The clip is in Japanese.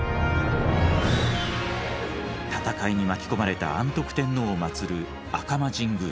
戦いに巻き込まれた安徳天皇を祭る赤間神宮。